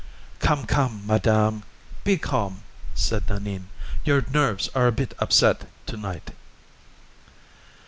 "Come, come, madame, be calm," said Nanine; "your nerves are a bit upset to night."